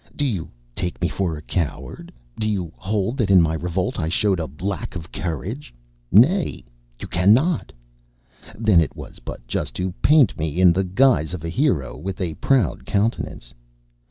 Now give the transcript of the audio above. Do you take me for a coward? Do you hold that in my revolt I showed a lack of courage? Nay! you cannot. Then it was but just to paint me in the guise of a hero, with a proud countenance.